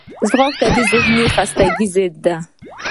ځغاسته د ذهني خستګي ضد ده